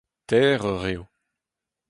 Teir eur eo.